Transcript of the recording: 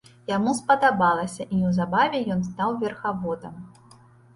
Яму спадабалася, і неўзабаве ён стаў верхаводам.